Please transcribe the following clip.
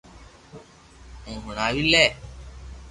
ھون ھڻاوي لي